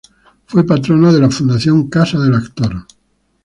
Fue patrona de la Fundación Casa del Actor.